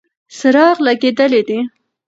څراغ لګېدلی دی.